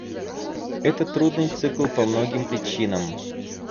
Это трудный цикл по многим причинам.